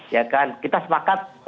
ya kan kita sepakat